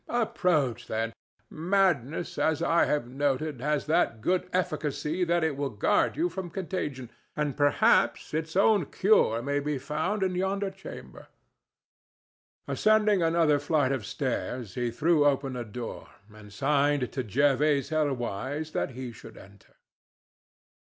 Approach, then. Madness, as I have noted, has that good efficacy that it will guard you from contagion, and perhaps its own cure may be found in yonder chamber." Ascending another flight of stairs, he threw open a door and signed to Jervase Helwyse that he should enter.